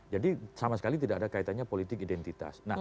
jadi sama sekali tidak ada kaitannya politik identitas